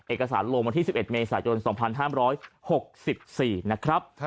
เอกสารลงวันที่๑๑เมษายน๒๕๖๔นะครับ